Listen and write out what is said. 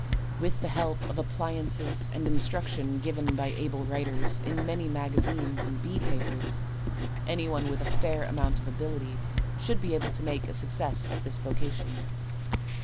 With the help of appliances and the instruction given by able writers in many magazines and bee papers anyone with a fair amount of ability should be able to make a success at this vocation.